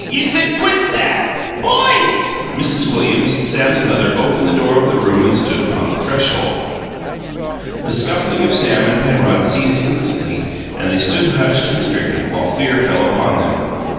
"You said Quit that!" "Boys!" Mrs. Williams, Sam's mother, opened the door of the room and stood upon the threshold. The scuffling of Sam and Penrod ceased instantly, and they stood hushed and stricken, while fear fell upon them.